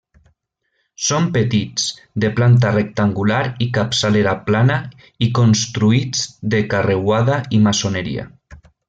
Són petits, de planta rectangular i capçalera plana i construïts de carreuada i maçoneria.